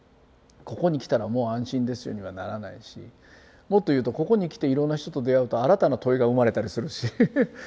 「ここに来たらもう安心ですよ」にはならないしもっと言うとここに来ていろんな人と出会うと新たな問いが生まれたりするし。